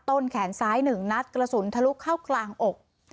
ต้นแขนซ้าย๑นัดกระสุนทะลุเข้ากลางอก